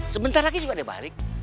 sebentar lagi juga dia balik